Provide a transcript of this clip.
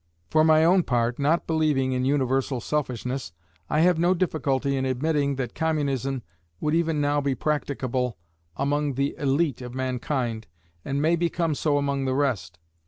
For my own part, not believing in universal selfishness, I have no difficulty in admitting that Communism would even now be practicable among the élite of mankind, and may become so among the rest.